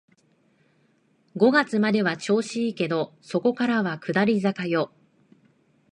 五月までは調子いいけど、そこからは下り坂よ